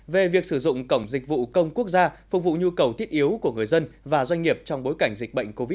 về việc sử dụng cổng dịch vụ công quốc gia phục vụ nhu cầu thiết yếu của người dân và doanh nghiệp trong bối cảnh dịch bệnh covid một mươi chín